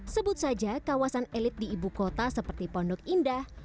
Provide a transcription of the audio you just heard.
sebut saja kawasan elit di ibu kota seperti pondok indah